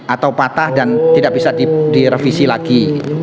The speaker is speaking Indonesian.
atau patah dan tidak bisa direvisi lagi